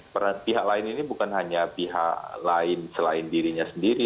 peran pihak lain ini bukan hanya pihak lain selain dirinya sendiri